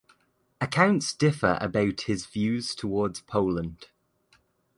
Accounts differ about his views towards Poland.